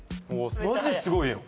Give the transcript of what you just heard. マジすごいやん。